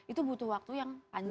itu butuh waktu yang panjang